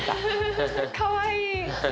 かわいい。